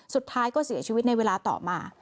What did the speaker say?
สุดท้ายก็เสียชีวิตในเวลาต่อมา